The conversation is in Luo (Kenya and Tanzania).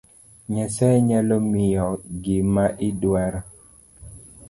Nyasaye nyalo miyi gima iduaro